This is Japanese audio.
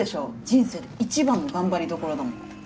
人生で一番の頑張りどころだもん